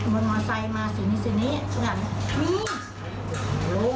พอน์บ้านพ่อนหนูบ้านต้องโทรไปอย่าหาเหล้าหนึ่งละวาน